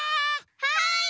はい！